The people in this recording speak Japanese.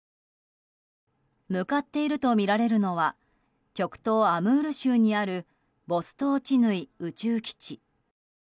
向かっているとみられるのは極東アムール州にあるボストーチヌイ宇宙基地。